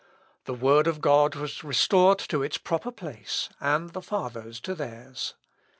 The Word of God was restored to its proper place, and the Fathers to theirs.